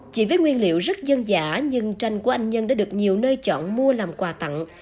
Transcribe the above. chỉ với nguyên liệu rất dân giả nhưng tranh của anh nhân đã được nhiều nơi chọn mua làm quà tặng